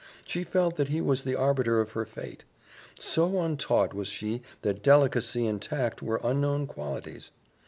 She felt that he was the arbiter of her fate. So untaught was she that delicacy and tact were unknown qualities.